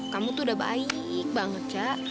kamu tuh udah baik banget cak